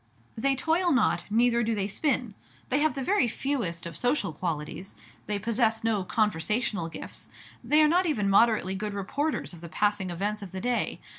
They toil not, neither do they spin. They have the very fewest of social qualities; they possess no conversational gifts; they are not even moderately good reporters of the passing events of the day.